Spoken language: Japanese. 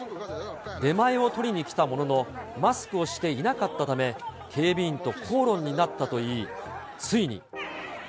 出前を取りに来たものの、マスクをしていなかったため、警備員と口論になったといい、ついに。